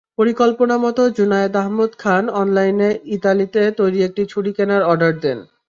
পরিকল্পনামতো জুনায়েদ আহমদ খান অনলাইনে ইতালিতে তৈরি একটি ছুরি কেনার অর্ডার দেন।